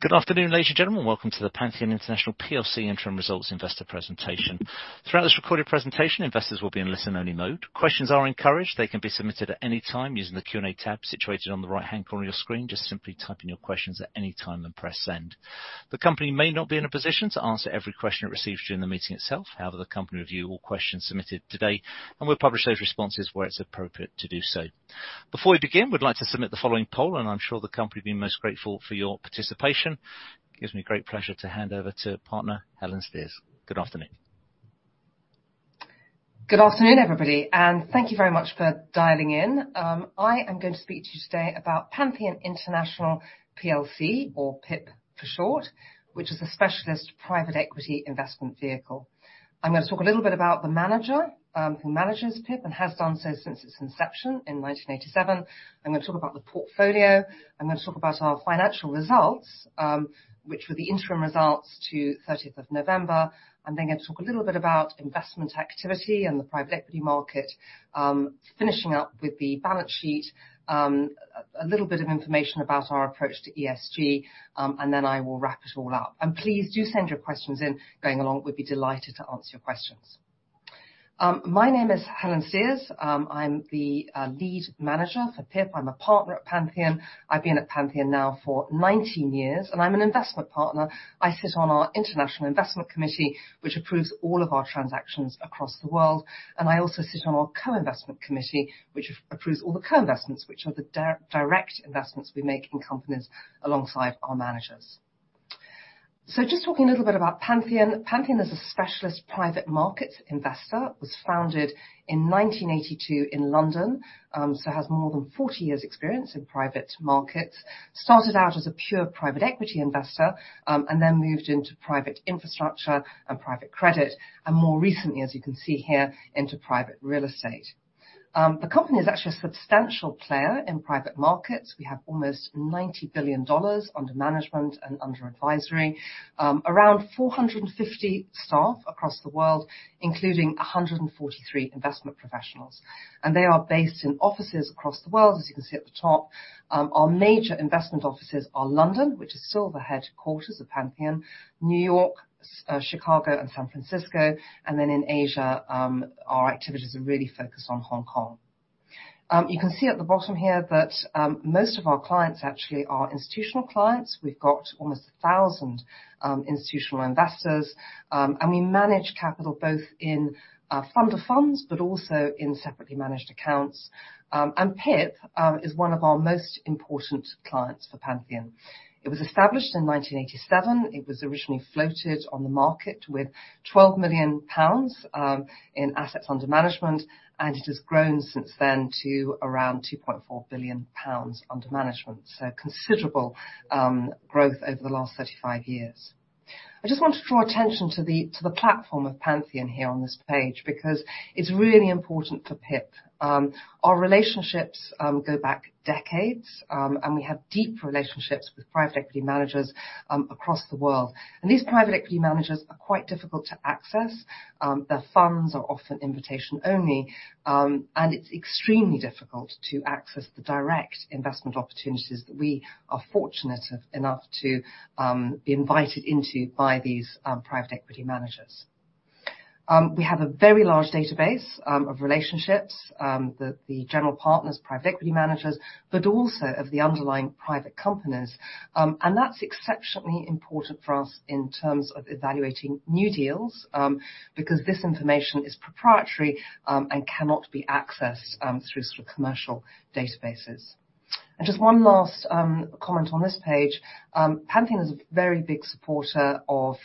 Good afternoon, ladies and gentlemen. Welcome to the Pantheon International Plc interim results investor presentation. Throughout this recorded presentation, investors will be in listen-only mode. Questions are encouraged. They can be submitted at any time using the Q&A tab situated on the right-hand corner of your screen. Just simply type in your questions at any time and press Send. The company may not be in a position to answer every question it receives during the meeting itself. However, the company review all questions submitted today, and we'll publish those responses where it's appropriate to do so. Before we begin, we'd like to submit the following poll, and I'm sure the company will be most grateful for your participation. Gives me great pleasure to hand over to partner Helen Steers. Good afternoon. Good afternoon, everybody, and thank you very much for dialing in. I am going to speak to you today about Pantheon International Plc, or PIP for short, which is a specialist private equity investment vehicle. I'm gonna talk a little bit about the manager, who manages PIP and has done so since its inception in 1987. I'm gonna talk about the portfolio. I'm gonna talk about our financial results, which were the interim results to 30th of November. I'm then gonna talk a little bit about investment activity and the private equity market, finishing up with the balance sheet, a little bit of information about our approach to ESG, and then I will wrap it all up. Please do send your questions in going along. We'd be delighted to answer your questions. My name is Helen Steers. I'm the Lead Manager for PIP. I'm a Partner at Pantheon. I've been at Pantheon now for 19 years. I'm an investment partner. I sit on our international investment committee, which approves all of our transactions across the world. I also sit on our co-investment committee, which approves all the co-investments, which are the direct investments we make in companies alongside our managers. Just talking a little bit about Pantheon. Pantheon is a specialist private markets investor. Was founded in 1982 in London, has more than 40 years experience in private markets. Started out as a pure private equity investor, then moved into private infrastructure and private credit, more recently, as you can see here, into private real estate. The company is actually a substantial player in private markets. We have almost $90 billion under management and under advisory. Around 450 staff across the world, including 143 investment professionals. They are based in offices across the world, as you can see at the top. Our major investment offices are London, which is still the headquarters of Pantheon, New York, Chicago, and San Francisco, and then in Asia, our activities are really focused on Hong Kong. You can see at the bottom here that most of our clients actually are institutional clients. We've got almost 1,000 institutional investors, and we manage capital both in fund of funds, but also in separately managed accounts. PIP is one of our most important clients for Pantheon. It was established in 1987. It was originally floated on the market with 12 million pounds in assets under management, and it has grown since then to around 2.4 billion pounds under management. Considerable growth over the last 35 years. I just want to draw attention to the platform of Pantheon here on this page, because it's really important for PIP. Our relationships go back decades, and we have deep relationships with private equity managers across the world. These private equity managers are quite difficult to access. Their funds are often invitation only, and it's extremely difficult to access the direct investment opportunities that we are fortunate enough to be invited into by these private equity managers. We have a very large database of relationships, the general partners, private equity managers, but also of the underlying private companies. That's exceptionally important for us in terms of evaluating new deals, because this information is proprietary and cannot be accessed through commercial databases. Just one last comment on this page. Pantheon is a very big supporter of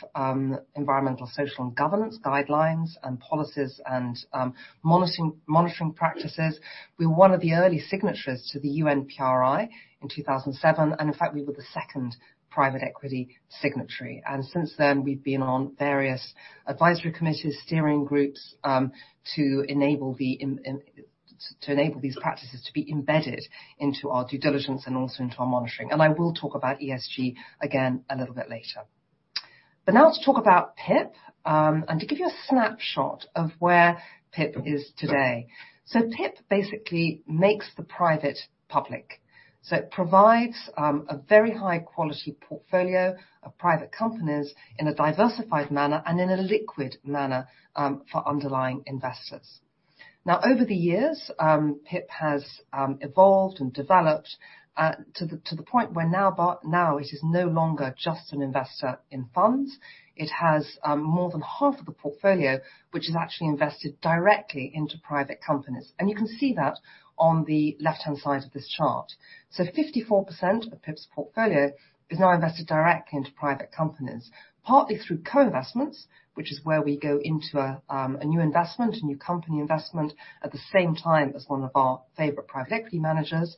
environmental, social, and governance guidelines and policies and monitoring practices. We're one of the early signatories to the UNPRI in 2007, and in fact, we were the second private equity signatory. Since then, we've been on various advisory committees, steering groups, to enable these practices to be embedded into our due diligence and also into our monitoring. I will talk about ESG again a little bit later. Now to talk about PIP, and to give you a snapshot of where PIP is today. PIP basically makes the private public. It provides a very high quality portfolio of private companies in a diversified manner and in a liquid manner for underlying investors. Over the years, PIP has evolved and developed to the point where now it is no longer just an investor in funds. It has more than half of the portfolio which is actually invested directly into private companies. You can see that on the left-hand side of this chart. 54% of PIP's portfolio is now invested directly into private companies, partly through co-investments, which is where we go into a new investment, a new company investment, at the same time as one of our favorite private equity managers,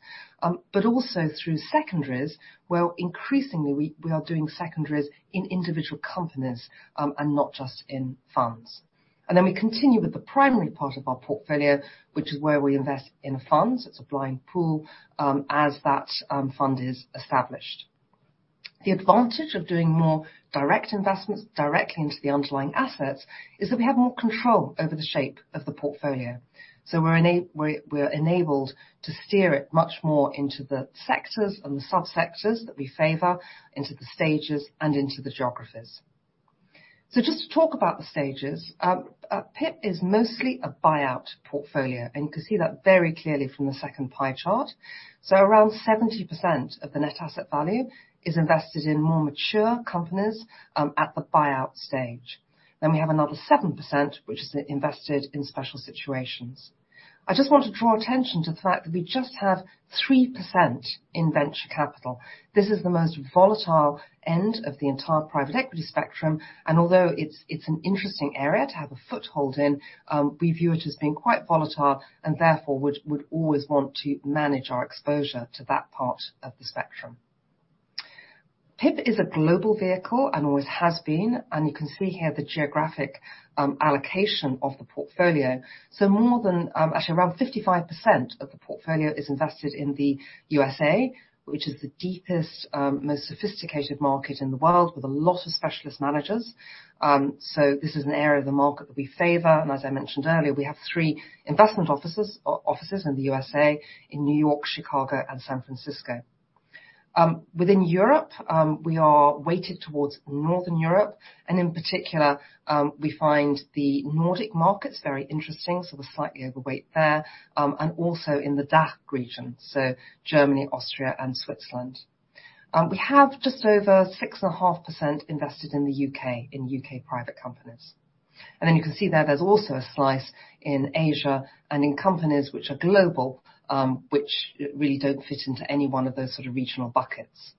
but also through secondaries, where increasingly we are doing secondaries in individual companies, and not just in funds. Then we continue with the primary part of our portfolio, which is where we invest in funds, it's a blind pool, as that fund is established. The advantage of doing more direct investments directly into the underlying assets is that we have more control over the shape of the portfolio. We're enabled to steer it much more into the sectors and the sub-sectors that we favor, into the stages, and into the geographies. Just to talk about the stages. PIP is mostly a buyout portfolio, and you can see that very clearly from the second pie chart. Around 70% of the net asset value is invested in more mature companies, at the buyout stage. We have another 7%, which is invested in special situations. I just want to draw attention to the fact that we just have 3% in venture capital. This is the most volatile end of the entire private equity spectrum. Although it's an interesting area to have a foothold in, we view it as being quite volatile and therefore would always want to manage our exposure to that part of the spectrum. PIP is a global vehicle and always has been, and you can see here the geographic allocation of the portfolio. More than, actually around 55% of the portfolio is invested in the USA, which is the deepest, most sophisticated market in the world with a lot of specialist managers. This is an area of the market that we favor. As I mentioned earlier, we have three investment offices in the USA, in New York, Chicago, and San Francisco. Within Europe, we are weighted towards Northern Europe, and in particular, we find the Nordic markets very interesting, so we're slightly overweight there. Also in the DACH region, so Germany, Austria, and Switzerland. We have just over 6.5% invested in the U.K., in U.K. private companies. You can see there's also a slice in Asia and in companies which are global, which really don't fit into any one of those sort of regional buckets.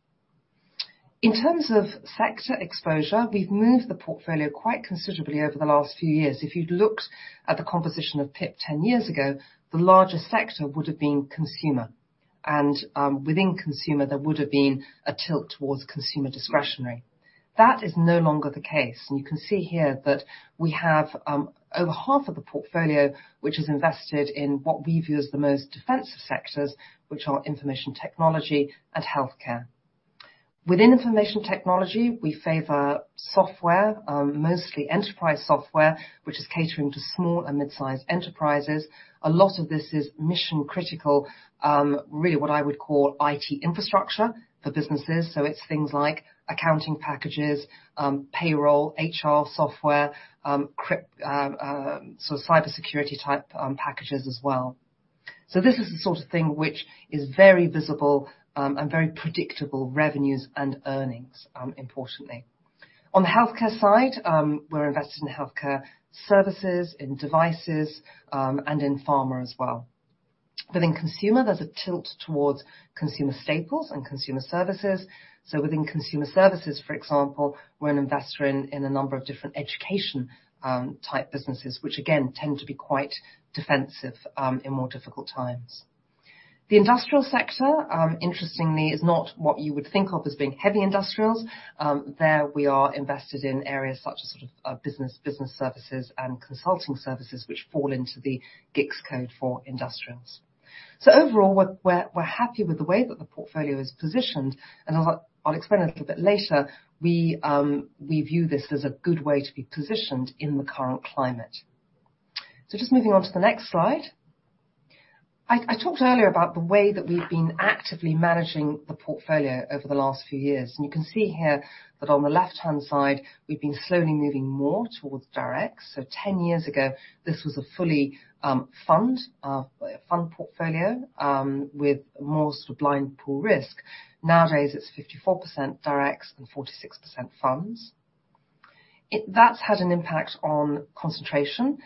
In terms of sector exposure, we've moved the portfolio quite considerably over the last few years. If you'd looked at the composition of PIP 10 years ago, the largest sector would have been consumer. Within consumer, there would have been a tilt towards consumer discretionary. That is no longer the case. You can see here that we have over half of the portfolio, which is invested in what we view as the most defensive sectors, which are information technology and healthcare. Within information technology, we favor software, mostly enterprise software, which is catering to small and mid-sized enterprises. A lot of this is mission critical, really what I would call IT infrastructure for businesses. It's things like accounting packages, payroll, HR software, so cybersecurity type packages as well. This is the sort of thing which is very visible, and very predictable revenues and earnings importantly. On the healthcare side, we're invested in healthcare services, in devices, and in pharma as well. Within consumer, there's a tilt towards consumer staples and consumer services. Within consumer services, for example, we're an investor in a number of different education type businesses, which again tend to be quite defensive in more difficult times. The industrial sector, interestingly, is not what you would think of as being heavy industrials. There we are invested in areas such as sort of business services and consulting services which fall into the GICS code for industrials. Overall, we're happy with the way that the portfolio is positioned. I'll explain a little bit later, we view this as a good way to be positioned in the current climate. Just moving on to the next slide. I talked earlier about the way that we've been actively managing the portfolio over the last few years. You can see here that on the left-hand side, we've been slowly moving more towards direct. 10 years ago, this was a fully fund portfolio with more sort of blind pool risk. Nowadays, it's 54% direct and 46% funds. That's had an impact on concentration.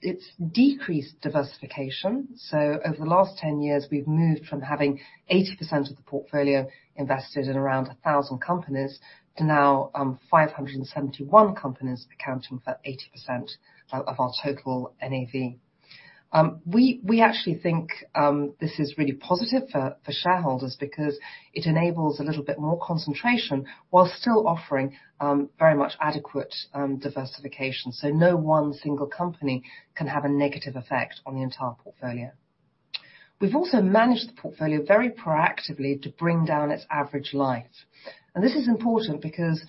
It's decreased diversification. Over the last 10 years, we've moved from having 80% of the portfolio invested in around 1,000 companies to now, 571 companies accounting for 80% of our total NAV. We, we actually think this is really positive for shareholders because it enables a little bit more concentration while still offering very much adequate diversification. No one single company can have a negative effect on the entire portfolio. We've also managed the portfolio very proactively to bring down its average life. This is important because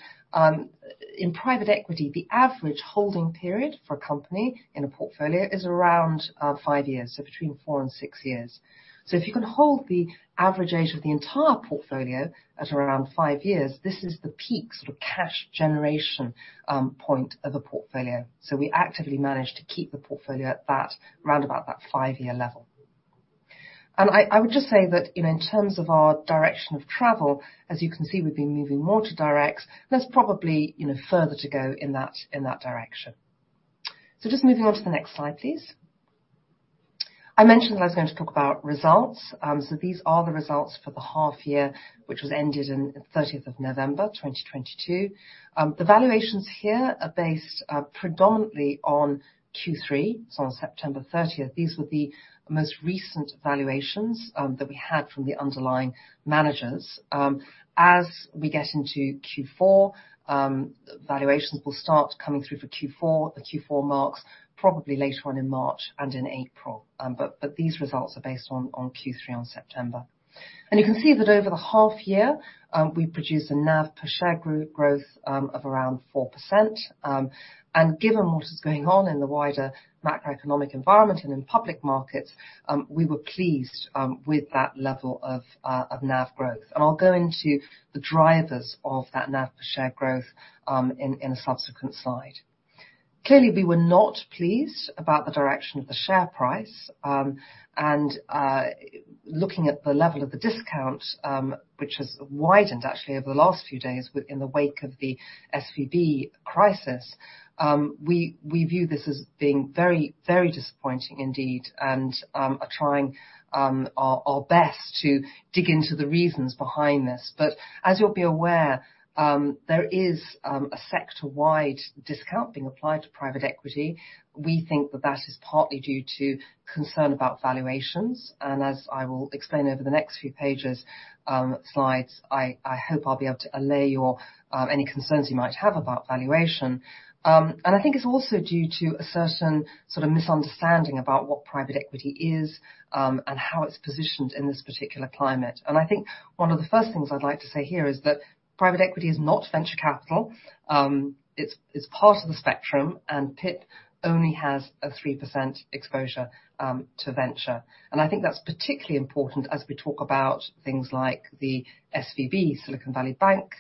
in private equity, the average holding period for a company in a portfolio is around five years, so between four and six years. If you can hold the average age of the entire portfolio at around five years, this is the peak sort of cash generation point of the portfolio. We actively manage to keep the portfolio at that, round about that five-year level. I would just say that, you know, in terms of our direction of travel, as you can see, we've been moving more to direct. There's probably, you know, further to go in that, in that direction. Just moving on to the next slide, please. I mentioned I was going to talk about results. These are the results for the half year, which was ended in 30th of November 2022. The valuations here are based predominantly on Q3, so on September 30th. These were the most recent valuations that we had from the underlying managers. As we get into Q4, valuations will start coming through for Q4, the Q4 marks probably later on in March and in April. These results are based on Q3 on September. You can see that over the half year, we produced a NAV per share growth of around 4%. Given what is going on in the wider macroeconomic environment and in public markets, we were pleased with that level of NAV growth. I'll go into the drivers of that NAV per share growth in a subsequent slide. Clearly, we were not pleased about the direction of the share price. Looking at the level of the discount, which has widened actually over the last few days within the wake of the SVB crisis, we view this as being very, very disappointing indeed and are trying our best to dig into the reasons behind this. As you'll be aware, there is a sector-wide discount being applied to private equity. We think that that is partly due to concern about valuations. As I will explain over the next few pages, slides, I hope I'll be able to allay your any concerns you might have about valuation. I think it's also due to a certain sort of misunderstanding about what private equity is and how it's positioned in this particular climate. I think one of the first things I'd like to say here is that private equity is not venture capital. It's part of the spectrum, and PIP only has a 3% exposure to venture. I think that's particularly important as we talk about things like the SVB, Silicon Valley Bank,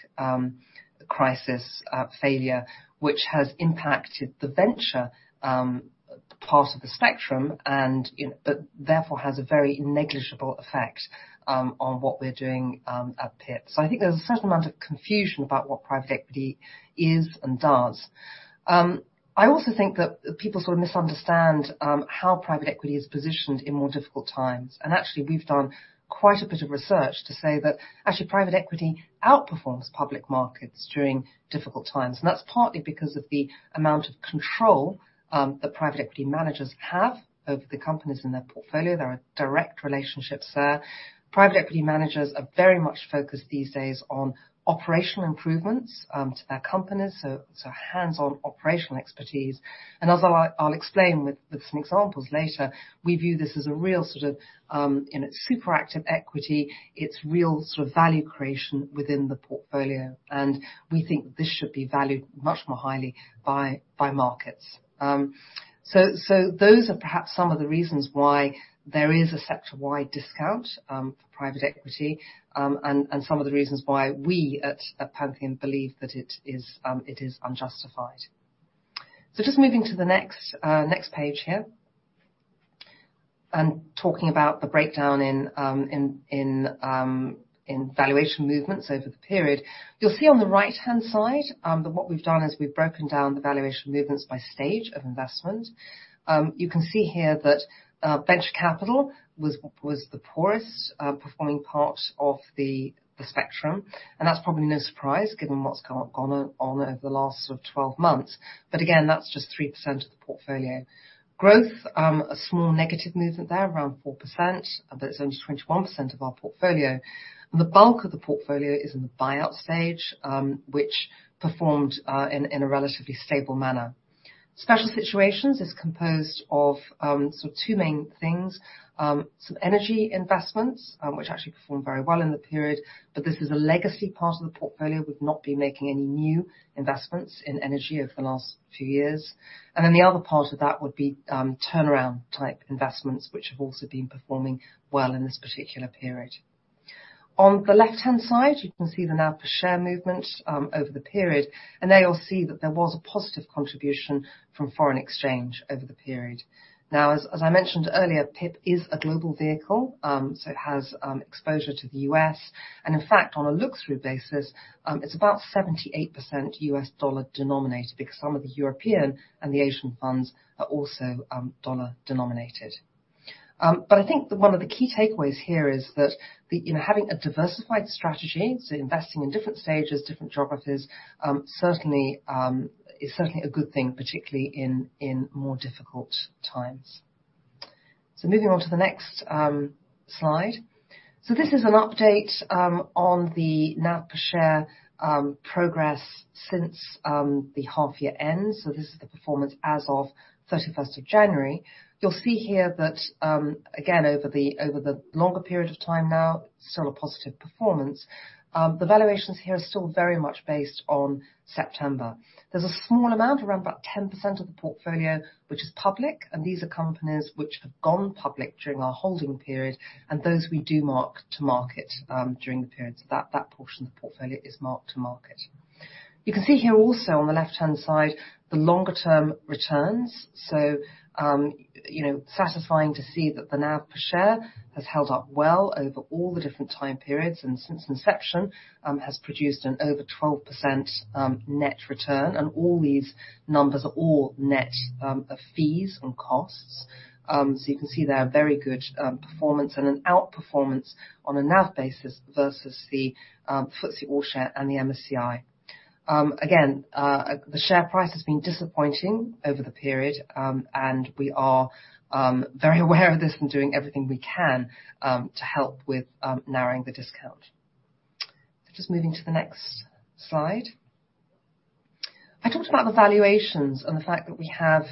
crisis, failure, which has impacted the venture part of the spectrum and, you know, but therefore has a very negligible effect on what we're doing at PIP. I think there's a certain amount of confusion about what private equity is and does. I also think that people sort of misunderstand how private equity is positioned in more difficult times. Actually, we've done quite a bit of research to say that actually, private equity outperforms public markets during difficult times. That's partly because of the amount of control that private equity managers have over the companies in their portfolio. There are direct relationships there. Private equity managers are very much focused these days on operational improvements to their companies, so hands-on operational expertise. As I'll explain with some examples later, we view this as a real sort of super active equity. It's real sort of value creation within the portfolio, and we think this should be valued much more highly by markets. Those are perhaps some of the reasons why there is a sector-wide discount for private equity, and some of the reasons why we at Pantheon believe that it is unjustified. Just moving to the next page here. Talking about the breakdown in valuation movements over the period. You'll see on the right-hand side, that what we've done is we've broken down the valuation movements by stage of investment. You can see here that venture capital was the poorest performing part of the spectrum, and that's probably no surprise given what's gone on over the last sort of 12 months. Again, that's just 3% of the portfolio. Growth, a small negative movement there, around 4%, it's only 21% of our portfolio. The bulk of the portfolio is in the buyout stage, which performed in a relatively stable manner. Special situations is composed of sort of two main things. Some energy investments, which actually performed very well in the period. This is a legacy part of the portfolio. We've not been making any new investments in energy over the last few years. The other part of that would be turnaround-type investments, which have also been performing well in this particular period. On the left-hand side, you can see the NAV per share movement over the period. There you'll see that there was a positive contribution from foreign exchange over the period. As I mentioned earlier, PIP is a global vehicle. It has exposure to the U.S. In fact, on a look-through basis, it's about 78% U.S. dollar denominated because some of the European and the Asian funds are also dollar denominated. But I think one of the key takeaways here is that the, you know, having a diversified strategy, so investing in different stages, different geographies, certainly is certainly a good thing, particularly in more difficult times. Moving on to the next slide. This is an update on the NAV per share progress since the half year end. This is the performance as of 31st of January. You'll see here that again, over the longer period of time now, still a positive performance. The valuations here are still very much based on September. There's a small amount, around about 10% of the portfolio, which is public, and these are companies which have gone public during our holding period, and those we do mark to market during the period. That portion of the portfolio is marked to market. You can see here also on the left-hand side, the longer-term returns. You know, satisfying to see that the NAV per share has held up well over all the different time periods. Since inception has produced an over 12% net return. All these numbers are all net of fees and costs. You can see there a very good performance and an outperformance on a NAV basis versus the FTSE All-Share and the MSCI. Again, the share price has been disappointing over the period. We are very aware of this and doing everything we can to help with narrowing the discount. Just moving to the next slide. Talked about the valuations and the fact that we have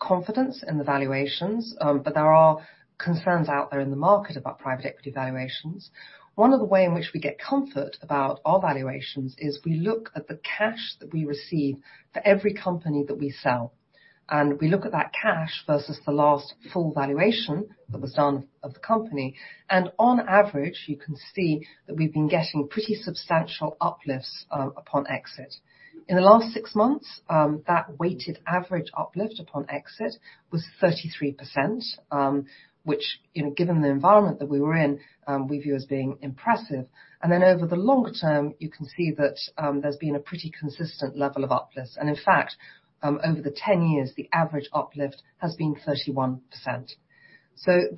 confidence in the valuations, but there are concerns out there in the market about private equity valuations. One of the way in which we get comfort about our valuations is we look at the cash that we receive for every company that we sell. We look at that cash versus the last full valuation that was done of the company. On average, you can see that we've been getting pretty substantial uplifts upon exit. In the last six months, that weighted average uplift upon exit was 33%, which, you know, given the environment that we were in, we view as being impressive. Over the long-term, you can see that there's been a pretty consistent level of uplifts. In fact, over the 10 years, the average uplift has been 31%.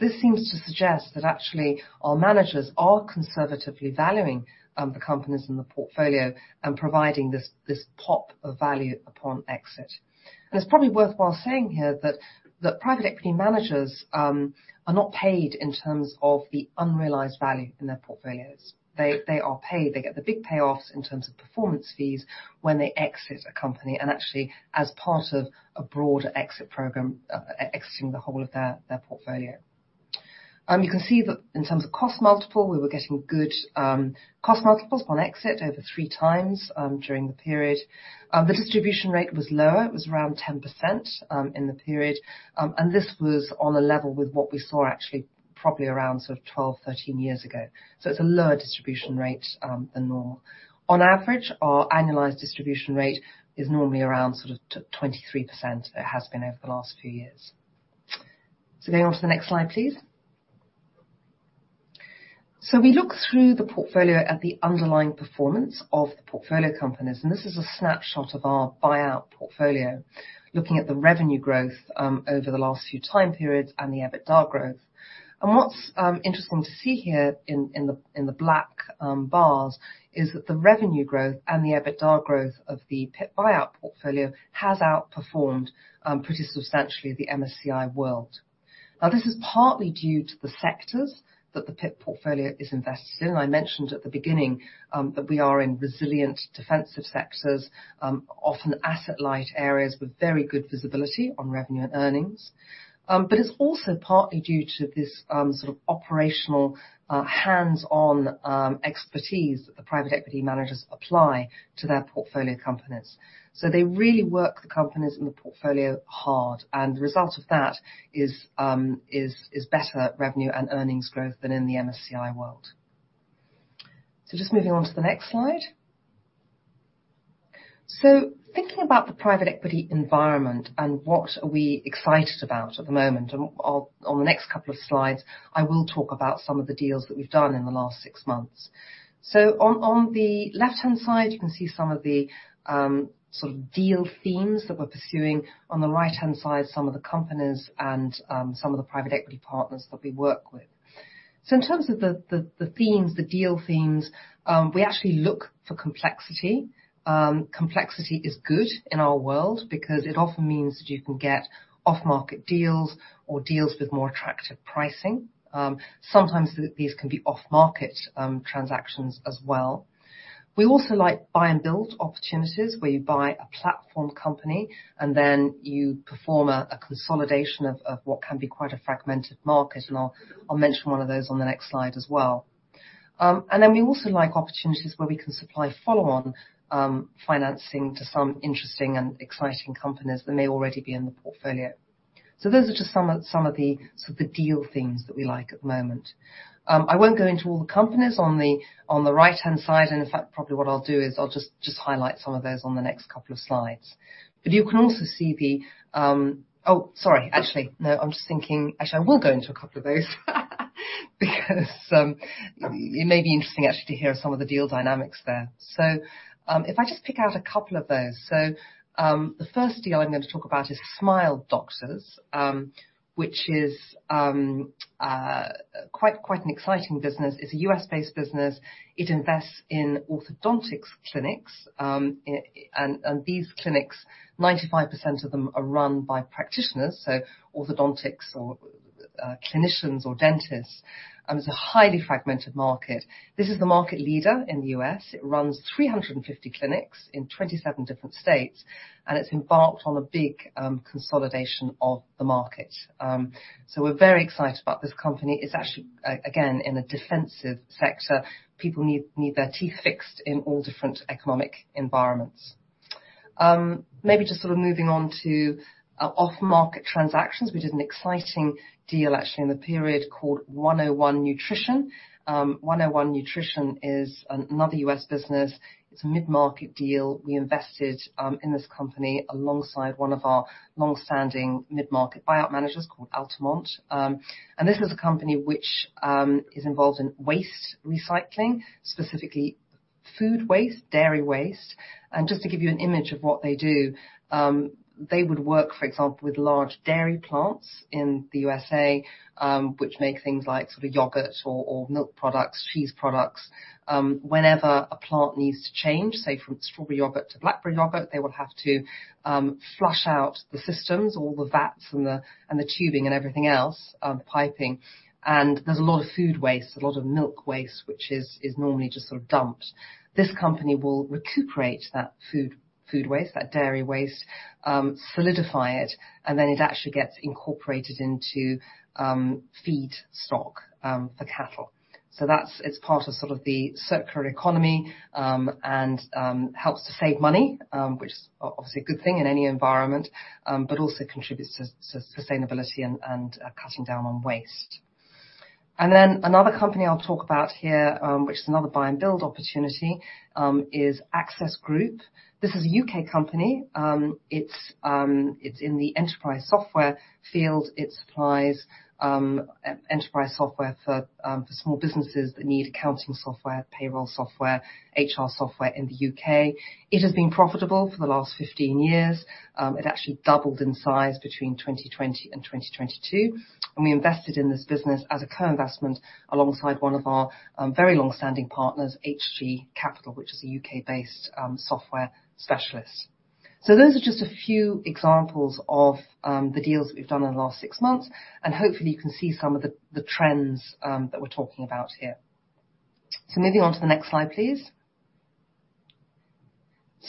This seems to suggest that actually our managers are conservatively valuing the companies in the portfolio and providing this pop of value upon exit. It's probably worthwhile saying here that private equity managers are not paid in terms of the unrealized value in their portfolios. They are paid, they get the big payoffs in terms of performance fees when they exit a company and actually as part of a broader exit program, exiting the whole of their portfolio. You can see that in terms of cost multiple, we were getting good cost multiples on exit over three times during the period. The distribution rate was lower. It was around 10% in the period. This was on a level with what we saw actually probably around 12, 13 years ago. It's a lower distribution rate than normal. On average, our annualized distribution rate is normally around 23%. It has been over the last few years. Going on to the next slide, please. We look through the portfolio at the underlying performance of the portfolio companies, this is a snapshot of our buyout portfolio, looking at the revenue growth over the last few time periods and the EBITDA growth. What's interesting to see here in the black bars is that the revenue growth and the EBITDA growth of the PIP buyout portfolio has outperformed pretty substantially the MSCI World. This is partly due to the sectors that the PIP portfolio is invested in. I mentioned at the beginning that we are in resilient defensive sectors, often asset light areas with very good visibility on revenue and earnings. It's also partly due to this sort of operational, hands-on expertise that the private equity managers apply to their portfolio companies. They really work the companies in the portfolio hard, and the result of that is better revenue and earnings growth than in the MSCI World. Just moving on to the next slide. Thinking about the private equity environment and what are we excited about at the moment, and on the next couple of slides, I will talk about some of the deals that we've done in the last six months. On the left-hand side, you can see some of the sort of deal themes that we're pursuing. On the right-hand side, some of the companies and some of the private equity partners that we work with. In terms of the, the themes, the deal themes, we actually look for complexity. Complexity is good in our world because it often means that you can get off-market deals or deals with more attractive pricing. Sometimes these can be off-market transactions as well. We also like buy and build opportunities where you buy a platform company and then you perform a consolidation of what can be quite a fragmented market. I'll mention one of those on the next slide as well. We also like opportunities where we can supply follow on financing to some interesting and exciting companies that may already be in the portfolio. Those are just some of the sort of the deal themes that we like at the moment. I won't go into all the companies on the right-hand side, and in fact, probably what I'll do is I'll just highlight some of those on the next couple of slides. You can also see the... Oh, sorry. Actually, no, I'm just thinking. Actually, I will go into a couple of those because it may be interesting actually to hear some of the deal dynamics there. If I just pick out a couple of those. The first deal I'm going to talk about is Smile Doctors, which is quite an exciting business. It's a U.S.-based business. It invests in orthodontics clinics. It, and these clinics, 95% of them are run by practitioners, so orthodontics or clinicians or dentists. It's a highly fragmented market. This is the market leader in the U.S. It runs 350 clinics in 27 different states, and it's embarked on a big consolidation of the market. We're very excited about this company. It's actually, again, in a defensive sector. People need their teeth fixed in all different economic environments. Maybe just sort of moving on to off market transactions, we did an exciting deal actually in the period called 101 Nutrition. 101 Nutrition is another U.S. business. It's a mid-market deal. We invested in this company alongside one of our long-standing mid-market buyout managers called Altamont. This is a company which is involved in waste recycling, specifically, food waste, dairy waste. Just to give you an image of what they do, they would work, for example, with large dairy plants in the USA, which make things like sort of yogurt or milk products, cheese products. Whenever a plant needs to change, say, from strawberry yogurt to blackberry yogurt, they would have to flush out the systems, all the vats and the tubing and everything else, piping. There's a lot of food waste, a lot of milk waste, which is normally just sort of dumped. This company will recuperate that food waste, that dairy waste, solidify it, and then it actually gets incorporated into feedstock for cattle. That's it's part of sort of the circular economy, and helps to save money, which is obviously a good thing in any environment, but also contributes to sustainability and cutting down on waste. Another company I'll talk about here, which is another buy and build opportunity, is Access Group. This is a U.K. company. It's in the enterprise software field. It supplies enterprise software for small businesses that need accounting software, payroll software, HR software in the U.K. It has been profitable for the last 15 years. It actually doubled in size between 2020 and 2022. We invested in this business as a co-investment alongside one of our very long-standing partners, Hg Capital, which is a U.K.-based software specialist. Those are just a few examples of the deals we've done in the last six months, and hopefully you can see some of the trends that we're talking about here. Moving on to the next slide, please.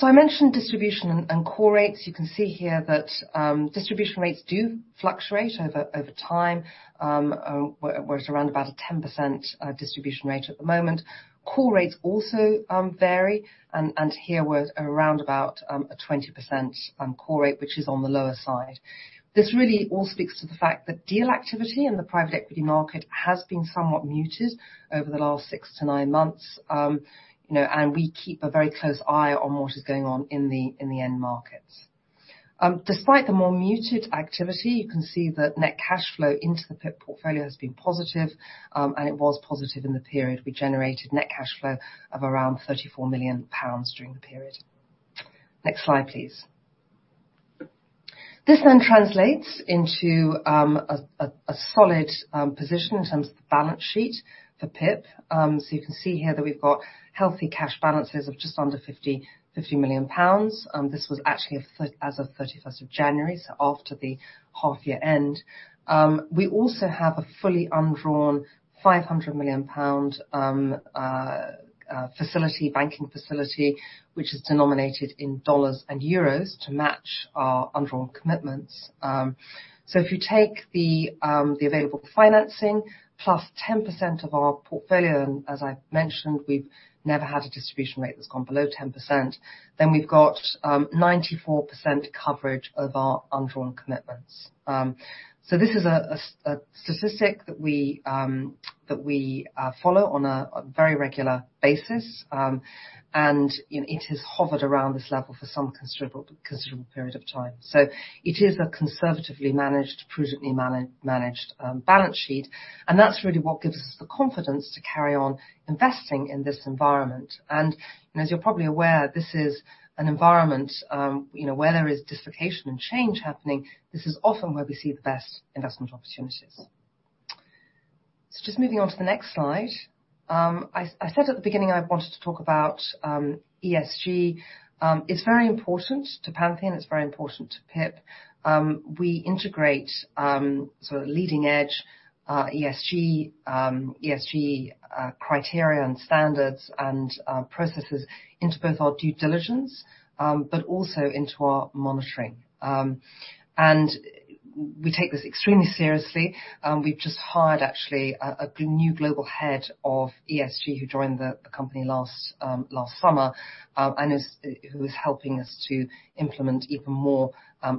I mentioned distribution and call rates. You can see here that distribution rates do fluctuate over time, where it's around about a 10% distribution rate at the moment. Call rates also vary and here we're around about a 20% call rate, which is on the lower side. This really all speaks to the fact that deal activity in the private equity market has been somewhat muted over the last six to nine months, you know, and we keep a very close eye on what is going on in the end markets. Despite the more muted activity, you can see that net cash flow into the PIP portfolio has been positive, and it was positive in the period. We generated net cash flow of around 34 million pounds during the period. Next slide, please. This translates into a solid position in terms of the balance sheet for PIP. You can see here that we've got healthy cash balances of just under 50 million pounds. This was actually as of 31st of January, so after the half year end. We also have a fully undrawn 500 million pound facility, banking facility, which is denominated in dollars and euros to match our undrawn commitments. If you take the available financing plus 10% of our portfolio, and as I've mentioned, we've never had a distribution rate that's gone below 10%, then we've got 94% coverage of our undrawn commitments. This is a statistic that we follow on a very regular basis. You know, it has hovered around this level for some considerable period of time. It is a conservatively managed, prudently managed balance sheet, and that's really what gives us the confidence to carry on investing in this environment. You know, as you're probably aware, this is an environment, you know, where there is dislocation and change happening. This is often where we see the best investment opportunities. Just moving on to the next slide. I said at the beginning I wanted to talk about ESG. It's very important to Pantheon. It's very important to PIP. We integrate sort of leading edge ESG criteria and standards and processes into both our due diligence but also into our monitoring. We take this extremely seriously. We've just hired actually a new global head of ESG who joined the company last summer, who is helping us to implement even more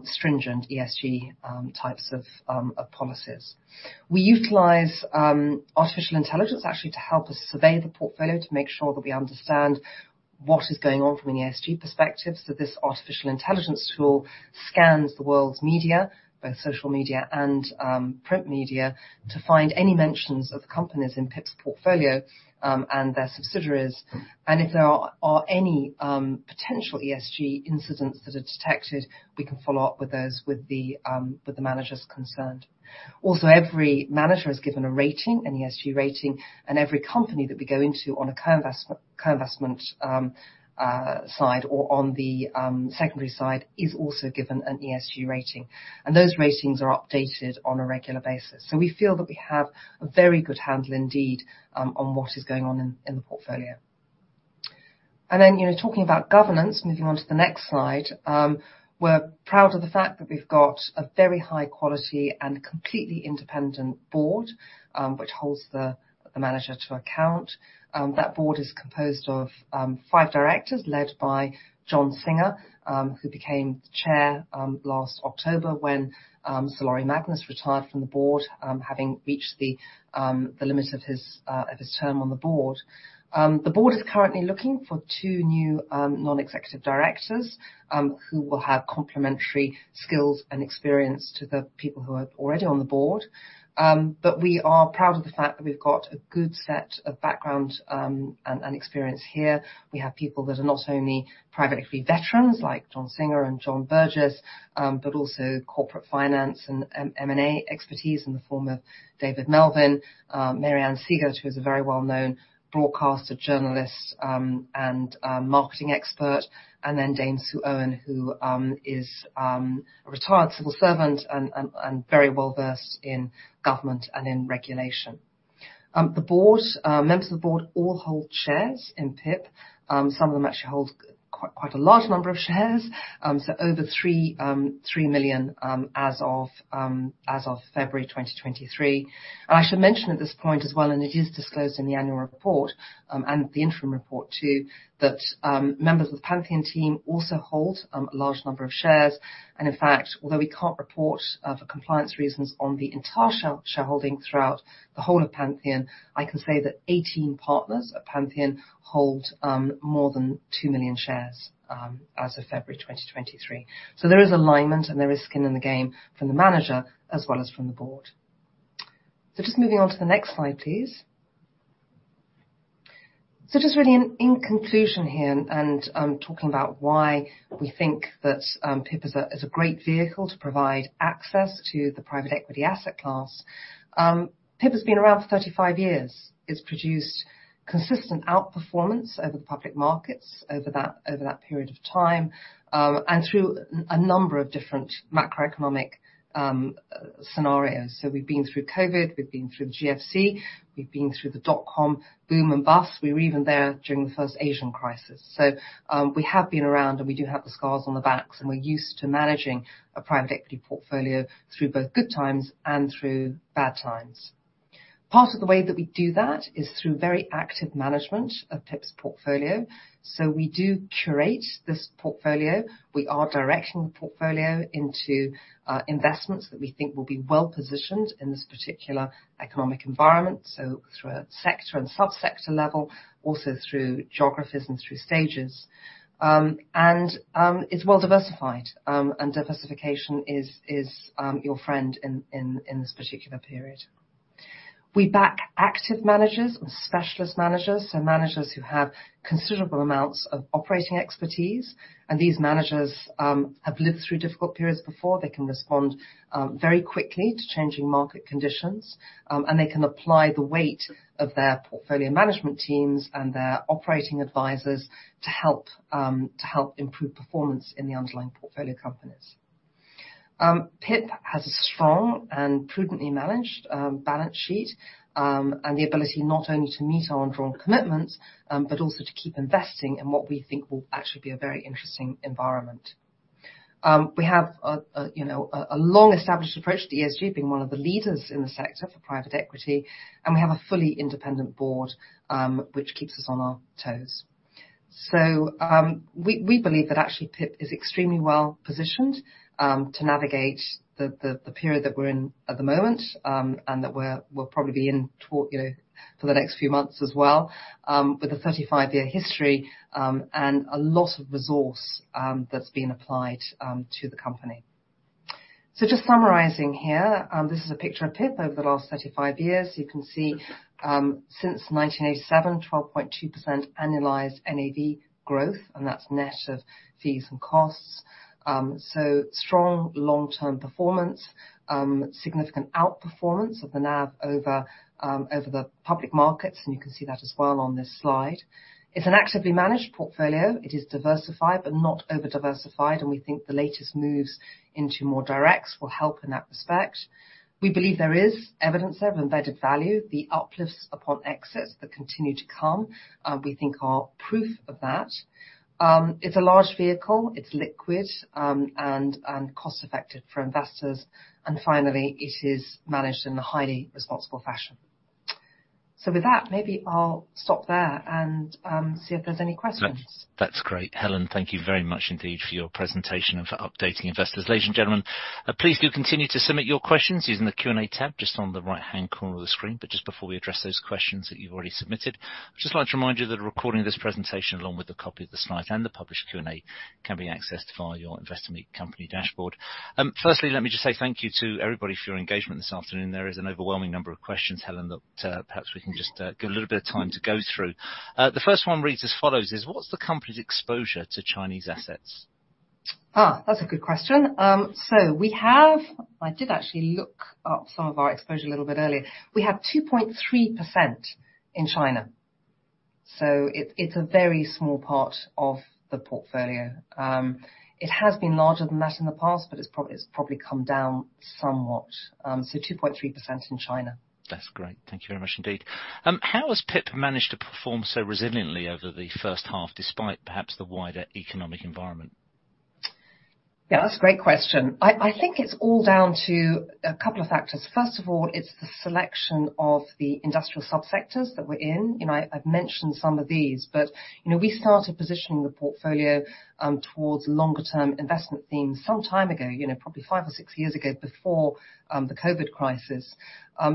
stringent ESG types of policies. We utilize artificial intelligence actually to help us survey the portfolio to make sure that we understand what is going on from an ESG perspective. This artificial intelligence tool scans the world's media, both social media and print media, to find any mentions of the companies in PIP's portfolio and their subsidiaries. If there are any potential ESG incidents that are detected, we can follow up with those with the managers concerned. Also, every manager is given a rating, an ESG rating, and every company that we go into on a co-investment side or on the secondary side is also given an ESG rating. Those ratings are updated on a regular basis. We feel that we have a very good handle indeed on what is going on in the portfolio. You know, talking about governance, moving on to the next slide, we're proud of the fact that we've got a very high quality and completely independent board, which holds the manager to account. That board is composed of five directors, led by John Singer, who became the chair last October when Sir Laurie Magnus retired from the board, having reached the limit of his term on the board. The board is currently looking for two new non-executive directors, who will have complementary skills and experience to the people who are already on the board. We are proud of the fact that we've got a good set of background and experince here. We have people that are not only private equity veterans, like John Singer and John Burgess, but also corporate finance and M&A expertise in the form of David Melvin, Mary Ann Sieghart, who is a very well-known broadcaster, journalist, and marketing expert, and then Dame Sue Owen, who is a retired civil servant and very well-versed in government and in regulation. The board, members of the board all hold shares in PIP. Some of them actually hold quite a large number of shares. So over 3 million as of February 2023. I should mention at this point as well, and it is disclosed in the annual report, and the interim report too, that members of the Pantheon team also hold a large number of shares. In fact, although we can't report for compliance reasons on the entire shareholding throughout the whole of Pantheon, I can say that 18 partners at Pantheon hold more than 2 million shares as of February 2023. There is alignment, and there is skin in the game from the manager as well as from the board. Just moving on to the next slide, please. Just really in conclusion here and talking about why we think that PIP is a great vehicle to provide access to the private equity asset class. PIP has been around for 35 years. It's produced consistent outperformance over the public markets over that period of time, and through a number of different macroeconomic scenarios. We've been through COVID, we've been through the GFC, we've been through the dot-com boom and bust. We were even there during the first Asian crisis. We have been around, and we do have the scars on the backs, and we're used to managing a private equity portfolio through both good times and through bad times. Part of the way that we do that is through very active management of PIP's portfolio. We do curate this portfolio. We are directing the portfolio into investments that we think will be well-positioned in this particular economic environment, so through a sector and subsector level, also through geographies and through stages. It's well-diversified, and diversification is your friend in this particular period. We back active managers or specialist managers, so managers who have considerable amounts of operating expertise, and these managers have lived through difficult periods before. They can respond very quickly to changing market conditions, and they can apply the weight of their portfolio management teams and their operating advisors to help to help improve performance in the underlying portfolio companies. PIP has a strong and prudently managed balance sheet, and the ability not only to meet our undrawn commitments, but also to keep investing in what we think will actually be a very interesting environment. We have a, you know, long-established approach to ESG, being one of the leaders in the sector for private equity, and we have a fully independent board, which keeps us on our toes. We believe that actually, PIP is extremely well-positioned to navigate the period that we're in at the moment, and that we'll probably be in toward, you know, for the next few months as well, with a 35-year history and a lot of resource that's been applied to the company. Just summarizing here, this is a picture of PIP over the last 35 years. You can see since 1987, 12.2% annualized NAV growth, and that's net of fees and costs. Strong long-term performance, significant outperformance of the NAV over the public markets, and you can see that as well on this slide. It's an actively managed portfolio. It is diversified but not over-diversified, and we think the latest moves into more directs will help in that respect. We believe there is evidence of embedded value. The uplifts upon exits that continue to come, we think are proof of that. It's a large vehicle, it's liquid, and cost-effective for investors. Finally, it is managed in a highly responsible fashion. With that, maybe I'll stop there and, see if there's any questions. That's great. Helen, thank you very much indeed for your presentation and for updating investors. Ladies and gentlemen, please do continue to submit your questions using the Q&A tab just on the right-hand corner of the screen. Just before we address those questions that you've already submitted, just like to remind you that a recording of this presentation along with a copy of the slides and the published Q&A can be accessed via your Investor Meet Company dashboard. Firstly, let me just say thank you to everybody for your engagement this afternoon. There is an overwhelming number of questions, Helen, that perhaps we can just give a little bit of time to go through. The first one reads as follows: "What's the company's exposure to Chinese assets? That's a good question. I did actually look up some of our exposure a little bit earlier. We have 2.3% in China, it's a very small part of the portfolio. It has been larger than that in the past, but it's probably come down somewhat. 2.3% in China. That's great. Thank you very much indeed. How has PIP managed to perform so resiliently over the first half, despite perhaps the wider economic environment? Yeah, that's a great question. I think it's all down to a couple of factors. First of all, it's the selection of the industrial subsectors that we're in. You know, I've mentioned some of these, but, you know, we started positioning the portfolio towards longer-term investment themes some time ago, you know, probably five or years ago before the COVID crisis.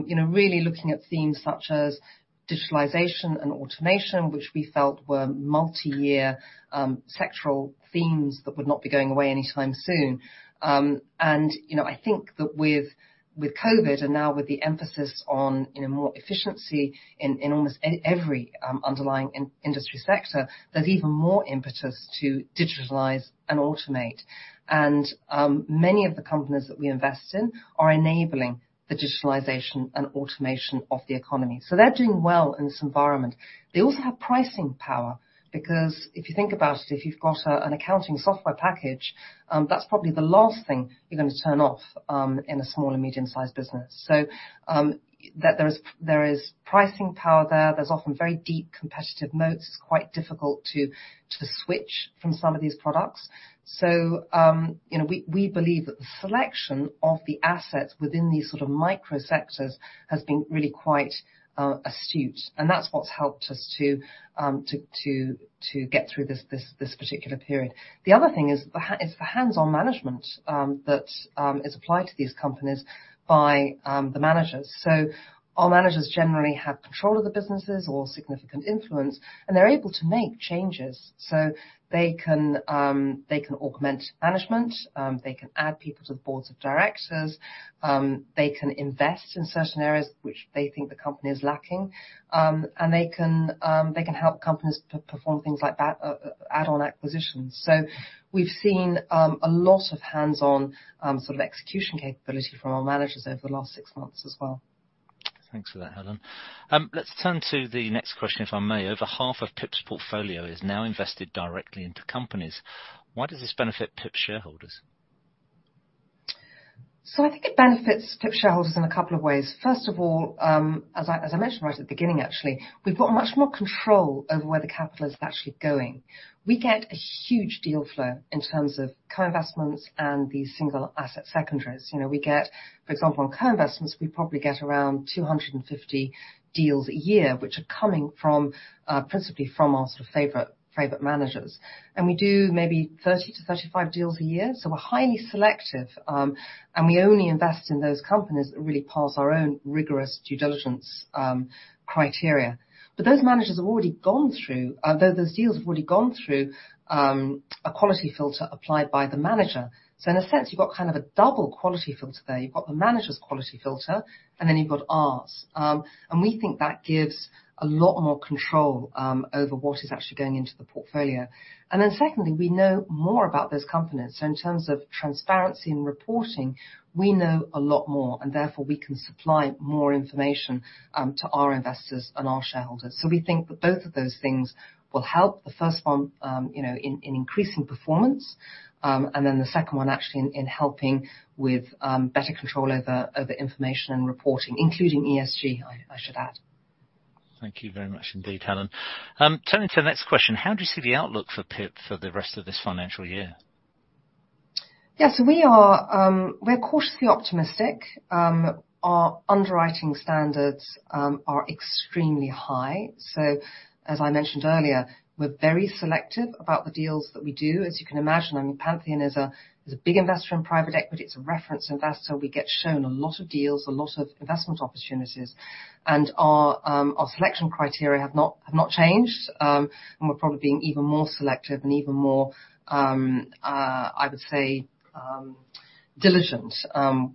You know, really looking at themes such as Digitalization and automation, which we felt were multi-year, sectoral themes that would not be going away anytime soon. You know, I think that with COVID and now with the emphasis on, you know, more efficiency in almost every underlying industry sector, there's even more impetus to digitalize and automate. Many of the companies that we invest in are enabling the digitalization and automation of the economy. They're doing well in this environment. They also have pricing power, because if you think about it, if you've got an accounting software package, that's probably the last thing you're gonna turn off in a small and medium-sized business. That there is pricing power there. There's often very deep competitive moats. It's quite difficult to switch from some of these products. You know, we believe that the selection of the assets within these sort of micro sectors has been really quite astute, and that's what's helped us to get through this particular period. The other thing is the hands-on management that is applied to these companies by the managers. Our managers generally have control of the businesses or significant influence, and they're able to make changes. They can, they can augment management, they can add people to the boards of directors, they can invest in certain areas which they think the company is lacking. They can, they can help companies perform things like that, add on acquisitions. We've seen a lot of hands-on, sort of execution capability from our managers over the last six months as well. Thanks for that, Helen. Let's turn to the next question, if I may. Over half of PIP's portfolio is now invested directly into companies. Why does this benefit PIP shareholders? I think it benefits PIP shareholders in a couple of ways. First of all, as I mentioned right at the beginning, actually, we've got much more control over where the capital is actually going. We get a huge deal flow in terms of co-investments and the single asset secondaries. You know, we get, for example, in co-investments, we probably get around 250 deals a year, which are coming from principally from our sort of favorite managers. We do maybe 30-35 deals a year. We're highly selective, and we only invest in those companies that really pass our own rigorous due diligence criteria. Those deals have already gone through a quality filter applied by the manager. In a sense, you've got kind of a double quality filter there. You've got the manager's quality filter, and then you've got ours. We think that gives a lot more control over what is actually going into the portfolio. Secondly, we know more about those companies. In terms of transparency and reporting, we know a lot more, and therefore we can supply more information to our investors and our shareholders. We think that both of those things will help. The first one, you know, in increasing performance, and the second one actually in helping with better control over information and reporting, including ESG, I should add. Thank you very much indeed, Helen. Turning to the next question, how do you see the outlook for PIP for the rest of this financial year? We're cautiously optimistic. Our underwriting standards are extremely high. As I mentioned earlier, we're very selective about the deals that we do, as you can imagine. I mean, Pantheon is a big investor in private equity. It's a reference investor. We get shown a lot of deals, a lot of investment opportunities, and our selection criteria have not changed. We're probably being even more selective and even more, I would say, diligent,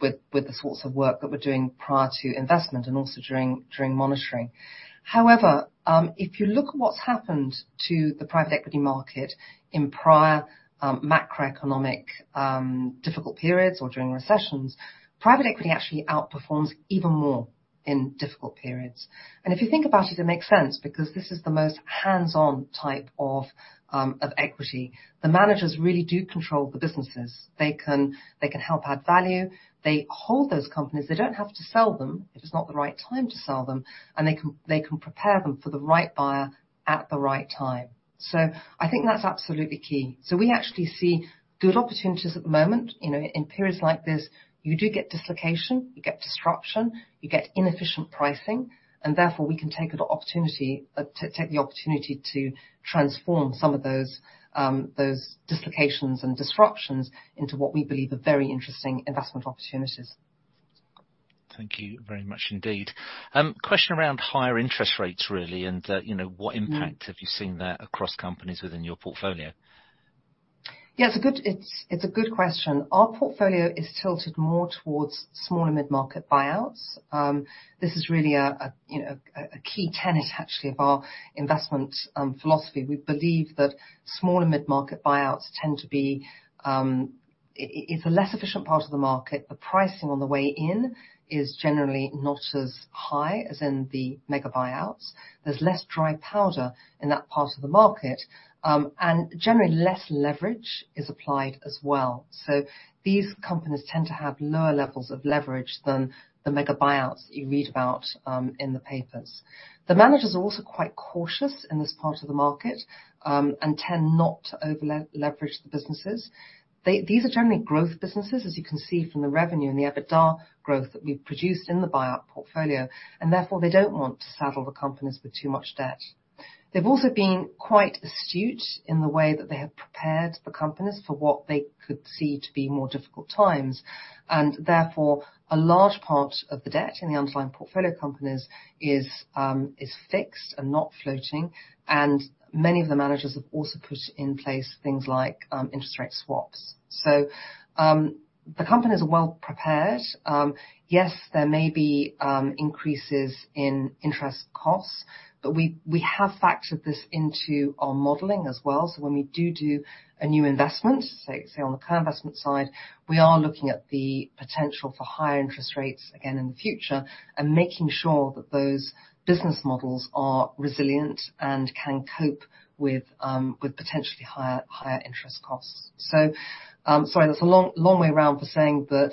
with the sorts of work that we're doing prior to investment and also during monitoring. If you look at what's happened to the private equity market in prior, macroeconomic, difficult periods or during recessions, private equity actually outperforms even more in difficult periods. If you think about it makes sense because this is the most hands-on type of equity. The managers really do control the businesses. They can help add value. They hold those companies. They don't have to sell them if it's not the right time to sell them, and they can prepare them for the right buyer at the right time. I think that's absolutely key. We actually see good opportunities at the moment. You know, in periods like this, you do get dislocation, you get disruption, you get inefficient pricing, and therefore we can take the opportunity to transform some of those dislocations and disruptions into what we believe are very interesting investment opportunities. Thank you very much indeed. Question around higher interest rates, really, and, you know, what impact have you seen there across companies within your portfolio? Yeah, it's a good question. Our portfolio is tilted more towards small and mid-market buyouts. This is really, you know, a key tenet actually of our investment philosophy. We believe that small and mid-market buyouts tend to be. It's a less efficient part of the market. The pricing on the way in is generally not as high as in the mega buyouts. There's less dry powder in that part of the market, generally less leverage is applied as well. These companies tend to have lower levels of leverage than the mega buyouts that you read about in the papers. The managers are also quite cautious in this part of the market, tend not to overleverage the businesses. These are generally growth businesses, as you can see from the revenue and the EBITDA growth that we've produced in the buyout portfolio. Therefore, they don't want to saddle the companies with too much debt. They've also been quite astute in the way that they have prepared the companies for what they could see to be more difficult times. Therefore, a large part of the debt in the underlying portfolio companies is fixed and not floating. Many of the managers have also put in place things like interest rate swaps. The companies are well prepared. Yes, there may be increases in interest costs, but we have factored this into our modeling as well. When we do a new investment, say, on the co-investment side, we are looking at the potential for higher interest rates again in the future and making sure that those business models are resilient and can cope with potentially higher interest costs. Sorry, that's a long way around for saying that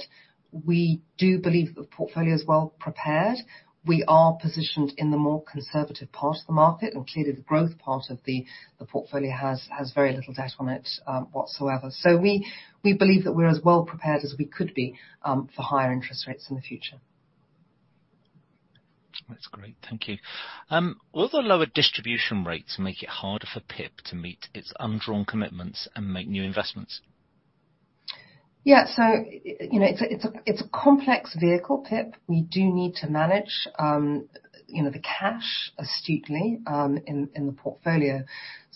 we do believe the portfolio is well-prepared. We are positioned in the more conservative part of the market, and clearly the growth part of the portfolio has very little debt on it whatsoever. We believe that we're as well prepared as we could be for higher interest rates in the future. That's great. Thank you. Will the lower distribution rates make it harder for PIP to meet its undrawn commitments and make new investments? Yeah. You know, it's a complex vehicle, PIP. We do need to manage, you know, the cash astutely, in the portfolio.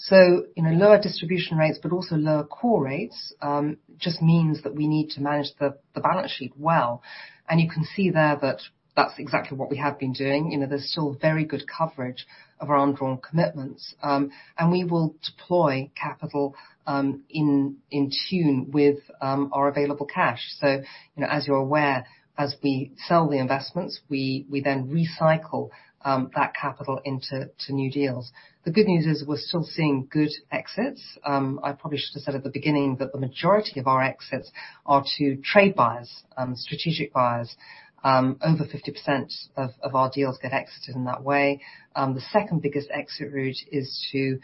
You know, lower distribution rates, but also lower call rates, just means that we need to manage the balance sheet well. You can see there that that's exactly what we have been doing. You know, there's still very good coverage of our undrawn commitments. We will deploy capital, in tune with, our available cash. You know, as you're aware, as we sell the investments, we then recycle that capital into new deals. The good news is we're still seeing good exits. I probably should have said at the beginning that the majority of our exits are to trade buyers, strategic buyers. Over 50% of our deals get exited in that way. The second biggest exit route is to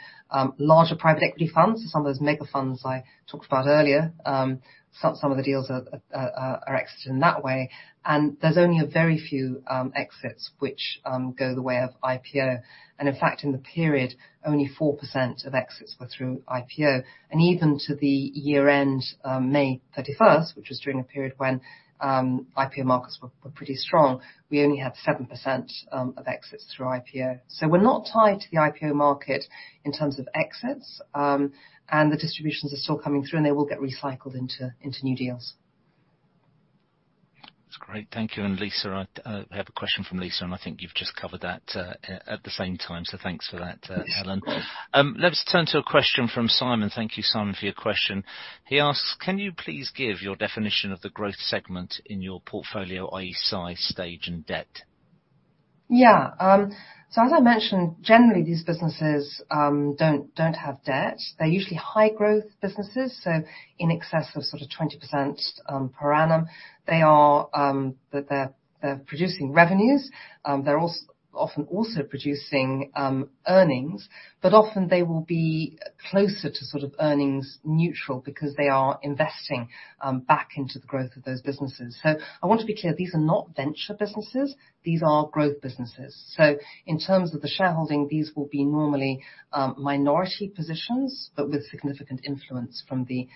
larger private equity funds. Some of those mega funds I talked about earlier. Some of the deals are exited in that way. There's only a very few exits which go the way of IPO. In fact, in the period, only 4% of exits were through IPO. Even to the year-end, May 31st, which was during a period when IPO markets were pretty strong, we only had 7% of exits through IPO. We're not tied to the IPO market in terms of exits, and the distributions are still coming through, and they will get recycled into new deals. That's great. Thank you. Lisa, I have a question from Lisa, and I think you've just covered that at the same time. Thanks for that, Helen. Yes. Let's turn to a question from Simon. Thank you, Simon, for your question. He asks, "Can you please give your definition of the growth segment in your portfolio, i.e. size, stage, and debt? Yeah. As I mentioned, generally, these businesses don't have debt. They're usually high-growth businesses, so in excess of sort of 20% per annum. They're producing revenues. They're often also producing earnings, but often they will be closer to sort of earnings neutral because they are investing back into the growth of those businesses. I want to be clear, these are not venture businesses. These are growth businesses. In terms of the shareholding, these will be normally minority positions, but with significant influence from the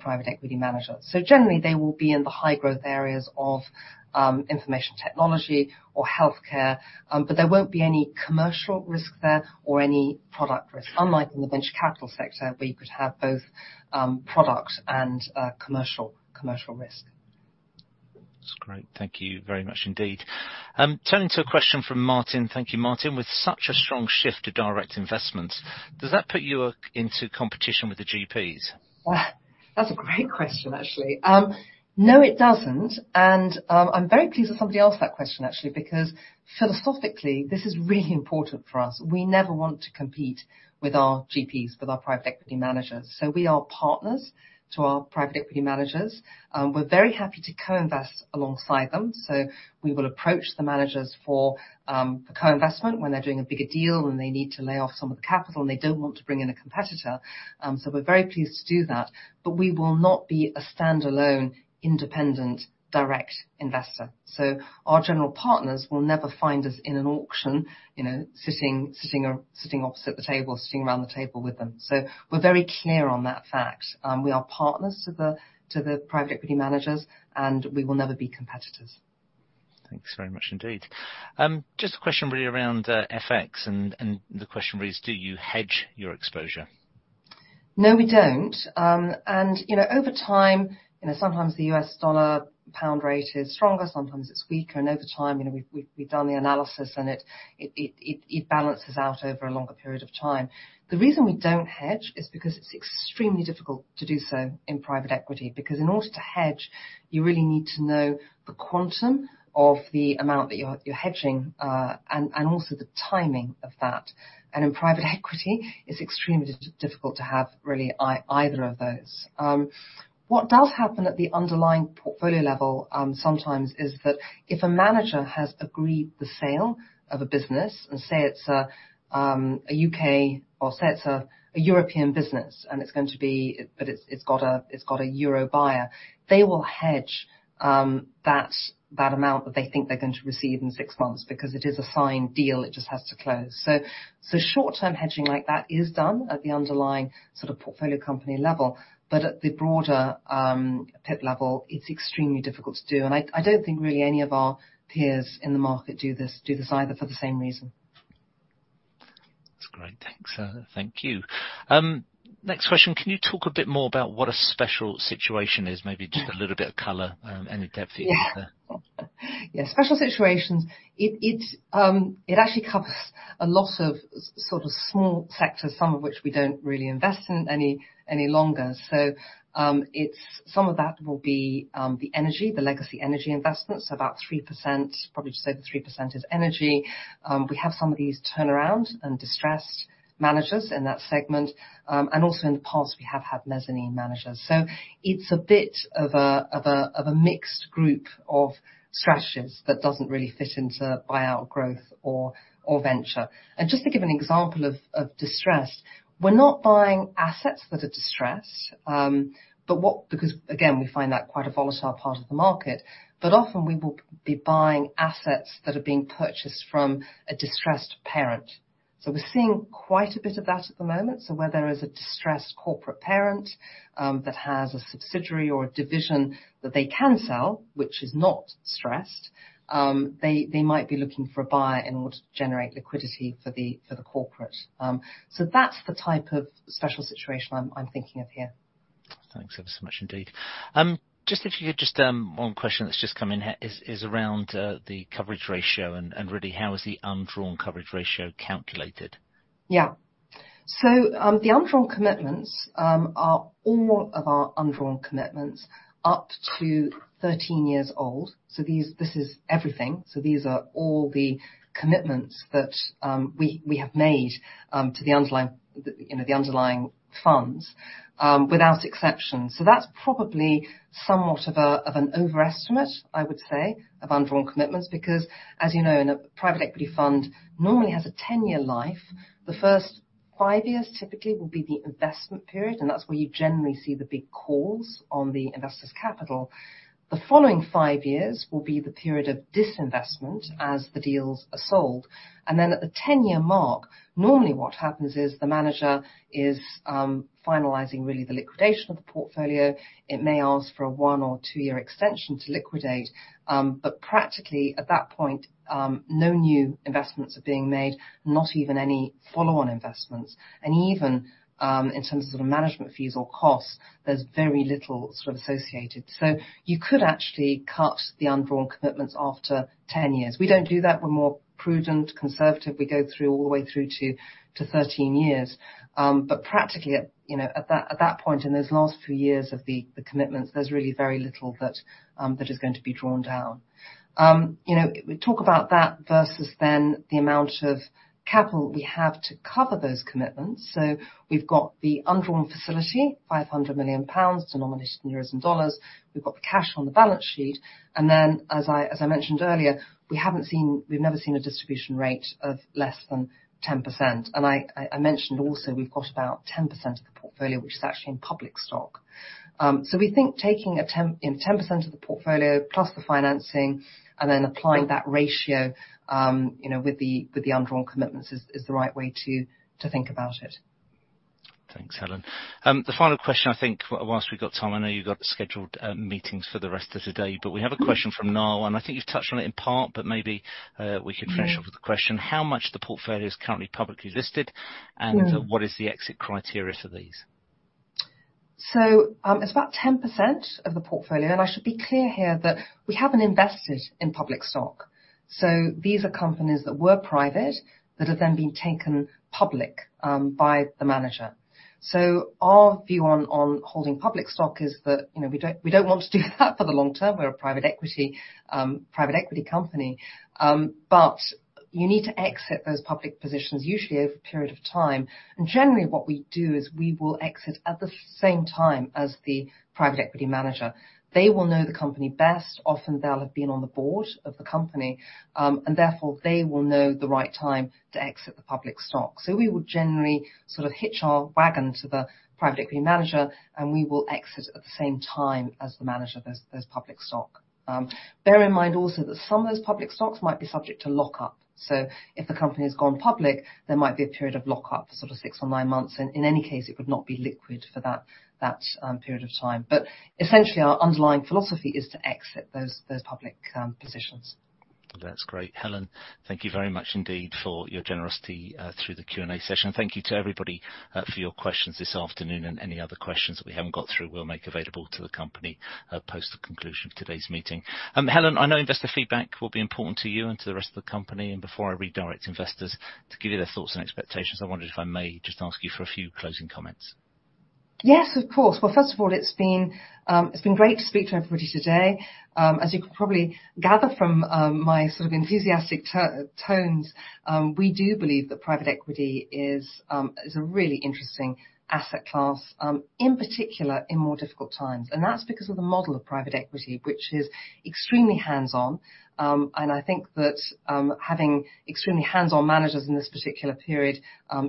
private equity managers. Generally, they will be in the high-growth areas of information technology or healthcare, but there won't be any commercial risk there or any product risk, unlike in the venture capital sector, where you could have both product and commercial risk. That's great. Thank you very much indeed. Turning to a question from Martin. Thank you, Martin. With such a strong shift to direct investments, does that put you into competition with the GPs? That's a great question, actually. No, it doesn't. I'm very pleased that somebody asked that question, actually, because philosophically, this is really important for us. We never want to compete with our GPs, with our private equity managers. We are partners to our private equity managers. We're very happy to co-invest alongside them. We will approach the managers for a co-investment when they're doing a bigger deal and they need to lay off some of the capital, and they don't want to bring in a competitor. We're very pleased to do that. We will not be a standalone independent direct investor. Our general partners will never find us in an auction, you know, sitting opposite the table, sitting around the table with them. We're very clear on that fact. We are partners to the, to the private equity managers, and we will never be competitors. Thanks very much indeed. Just a question really around FX, and the question is, do you hedge your exposure? No, we don't. You know, over time, you know, sometimes the U.S. dollar pound rate is stronger, sometimes it's weaker. Over time, you know, we've done the analysis, and it balances out over a longer period of time. The reason we don't hedge is because it's extremely difficult to do so in private equity, because in order to hedge, you really need to know the quantum of the amount that you're hedging, and also the timing of that. In private equity, it's extremely difficult to have really either of those. What does happen at the underlying portfolio level, sometimes is that if a manager has agreed the sale of a business and say it's a U.K. or say it's a European business, and it's going to be, but it's got a euro buyer, they will hedge that amount that they think they're going to receive in six months because it is a signed deal. It just has to close. Short-term hedging like that is done at the underlying sort of portfolio company level. At the broader PIP level, it's extremely difficult to do. I don't think really any of our peers in the market do this either for the same reason. Thanks, thank you. Next question. Can you talk a bit more about what a special situation is? Maybe just a little bit of color, any depth if you can share. Yeah, special situations, it actually covers a lot of sort of small sectors, some of which we don't really invest in any longer. It's... Some of that will be the energy, the legacy energy investments, about 3%, probably just say 3% is energy. We have some of these turnaround and distress managers in that segment. also in the past we have had mezzanine managers. It's a bit of a mixed group of strategies that doesn't really fit into buyout growth or venture. just to give an example of distress, we're not buying assets that are distressed, because, again, we find that quite a volatile part of the market, but often we will be buying assets that are being purchased from a distressed parent. We're seeing quite a bit of that at the moment. Where there is a distressed corporate parent that has a subsidiary or a division that they can sell, which is not stressed, they might be looking for a buyer in order to generate liquidity for the corporate. That's the type of special situation I'm thinking of here. Thanks ever so much indeed. Just if you could just, one question that's just come in is around the coverage ratio and really how is the undrawn coverage ratio calculated? Yeah. The undrawn commitments are all of our undrawn commitments up to 13 years old. This is everything. These are all the commitments that we have made to the underlying, you know, the underlying funds without exception. That's probably somewhat of an overestimate, I would say, of undrawn commitments, because, as you know, a private equity fund normally has a 10-year life. The first five years typically will be the investment period, and that's where you generally see the big calls on the investors' capital. The following five years will be the period of disinvestment as the deals are sold. Then at the 10-year mark, normally what happens is the manager is finalizing really the liquidation of the portfolio. It may ask for a one or two-year extension to liquidate. Practically at that point, no new investments are being made, not even any follow-on investments. Even, in terms of the management fees or costs, there's very little sort of associated. You could actually cut the undrawn commitments after 10 years. We don't do that. We're more prudent, conservative. We go through all the way through to 13 years. Practically, you know, at that point in those last few years of the commitments, there's really very little that is going to be drawn down. You know, we talk about that versus the amount of capital we have to cover those commitments. We've got the undrawn facility, 500 million pounds denominated in EUR and dollars. We've got the cash on the balance sheet. As I mentioned earlier, we've never seen a distribution rate of less than 10%. I mentioned also we've got about 10% of the portfolio, which is actually in public stock. We think taking 10% in 10% of the portfolio plus the financing and then applying that ratio, you know, with the undrawn commitments is the right way to think about it. Thanks, Helen. The final question I think whilst we've got time, I know you've got scheduled meetings for the rest of today, but we have a question from Nala, and I think you've touched on it in part, but maybe we could finish off with the question. How much of the portfolio is currently publicly listed, and what is the exit criteria for these? It's about 10% of the portfolio. I should be clear here that we haven't invested in public stock. These are companies that were private that have then been taken public by the manager. Our view on holding public stock is that, you know, we don't, we don't want to do that for the long-term. We're a private equity private equity company. You need to exit those public positions usually over a period of time. Generally what we do is we will exit at the same time as the private equity manager. They will know the company best. Often they'll have been on the board of the company. Therefore they will know the right time to exit the public stock. We would generally sort of hitch our wagon to the private equity manager, and we will exit at the same time as the manager of those public stock. Bear in mind also that some of those public stocks might be subject to lockup. If the company's gone public, there might be a period of lockup for sort of six or nine months, and in any case it would not be liquid for that period of time. Essentially our underlying philosophy is to exit those public positions. That's great. Helen, thank you very much indeed for your generosity through the Q&A session. Thank you to everybody for your questions this afternoon. Any other questions that we haven't got through, we'll make available to the company post the conclusion of today's meeting. Helen, I know investor feedback will be important to you and to the rest of the company. Before I redirect investors to give you their thoughts and expectations, I wondered if I may just ask you for a few closing comments. Yes, of course. Well, first of all, it's been great to speak to everybody today. As you can probably gather from my sort of enthusiastic tones, we do believe that private equity is a really interesting asset class, in particular in more difficult times. That's because of the model of private equity, which is extremely hands-on. I think that having extremely hands-on managers in this particular period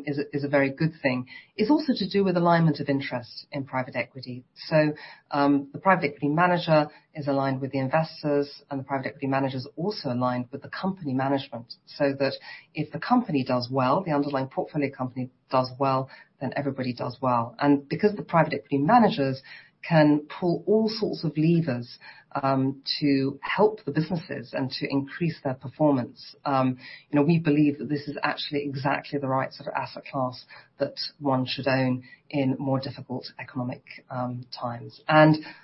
is a very good thing. It's also to do with alignment of interest in private equity. The private equity manager is aligned with the investors, and the private equity manager is also aligned with the company management, so that if the company does well, the underlying portfolio company does well, then everybody does well. Because the private equity managers can pull all sorts of levers to help the businesses and to increase their performance, you know, we believe that this is actually exactly the right sort of asset class that one should own in more difficult economic times.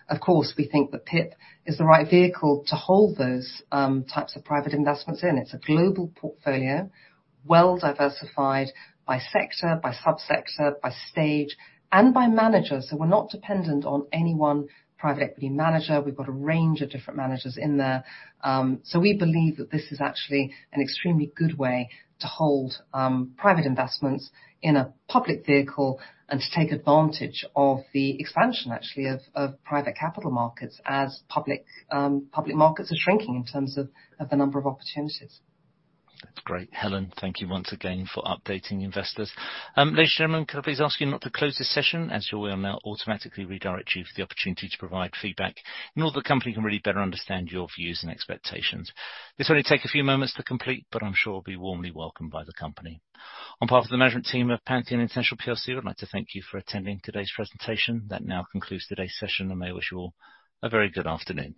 Of course, we think that PIP is the right vehicle to hold those types of private investments in. It's a global portfolio, well-diversified by sector, by sub-sector, by stage, and by managers. We're not dependent on any one private equity manager. We've got a range of different managers in there. We believe that this is actually an extremely good way to hold private investments in a public vehicle and to take advantage of the expansion actually of private capital markets as public public markets are shrinking in terms of the number of opportunities. That's great. Helen, thank you once again for updating investors. Ladies and gentlemen, could I please ask you not to close this session, as you will now automatically redirect you for the opportunity to provide feedback in order the company can really better understand your views and expectations. This will only take a few moments to complete, but I'm sure will be warmly welcomed by the company. On behalf of the management team at Pantheon International Plc, I'd like to thank you for attending today's presentation. That now concludes today's session. I may wish you all a very good afternoon.